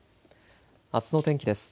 あすの天気です。